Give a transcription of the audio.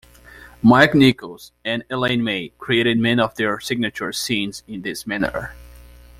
Mike Nichols and Elaine May created many of their signature scenes in this manner.